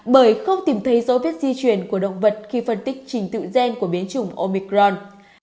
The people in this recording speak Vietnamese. bởi không tìm thấy dấu viết di truyền của động vật khi phân tích trình tựu gen của biến chủng omicron